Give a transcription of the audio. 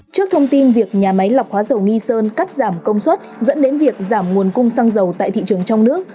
trước thông tin việc nhà máy lọc hóa dầu nghi sơn cắt giảm công suất dẫn đến việc giảm nguồn cung xăng dầu tại thị trường trong nước